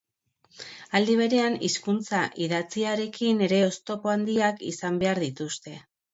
Aldi berean, hizkuntza idatziarekin ere oztopo handiak izan behar dituzte.